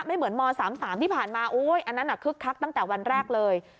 ไม่เหมือนม๓๓ที่ผ่านมาอันนั้นคึกคักตั้งแต่วันแรกเลย